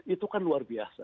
itu kan luar biasa